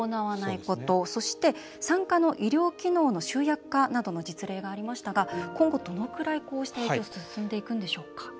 そして産科の医療機能の集約化などの実例がありましたが今後どのくらいこうした影響進んでいくんでしょうか？